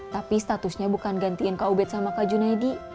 tapi statusnya bukan gantiin kak ubed sama kak junaedi